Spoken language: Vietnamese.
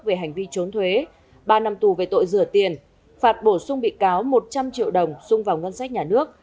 về hành vi trốn thuế ba năm tù về tội rửa tiền phạt bổ sung bị cáo một trăm linh triệu đồng xung vào ngân sách nhà nước